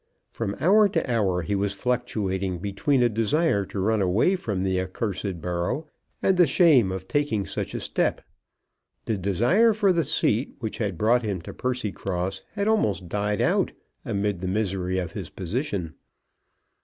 From hour to hour he was fluctuating between a desire to run away from the accursed borough, and the shame of taking such a step. The desire for the seat which had brought him to Percycross had almost died out amidst the misery of his position.